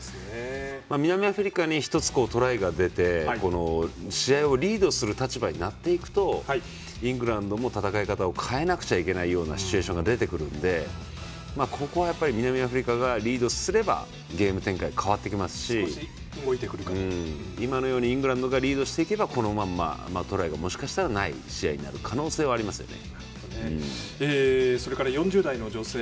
南アフリカに１つ、トライが出て試合をリードする立場になるとイングランドも戦い方を変えないといけないシチュエーションが出てくるのでここは南アフリカがリードすればゲーム展開も変わってきますし今のようにイングランドがリードしていけばこのままトライがもしかしたら４０代の女性。